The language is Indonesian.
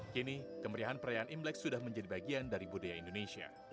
kini kemeriahan perayaan imlek sudah menjadi bagian dari budaya indonesia